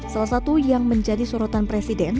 salah satu yang menjadi sorotan presiden